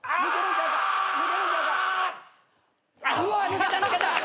抜けた抜けた！